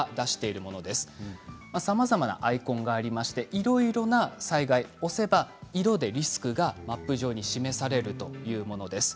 さまざまなアイコンがありまして押せば色でリスクがマップ上に示されるというものです。